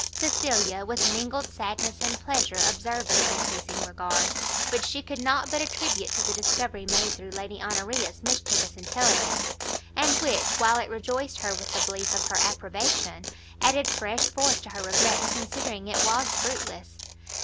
Cecilia with mingled sadness and pleasure observed this encreasing regard, which she could not but attribute to the discovery made through Lady Honoria's mischievous intelligence, and which, while it rejoiced her with the belief of her approbation, added fresh force to her regret in considering it was fruitless.